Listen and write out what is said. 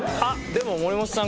でも森本さん